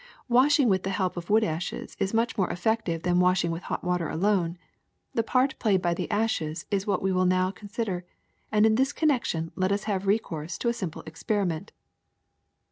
^^ Washing with the help of wood ashes is much more effective than washing with hot water alone. The part played by the ashes is what we will now consider, and in this connection let us have recourse to a simple experiment.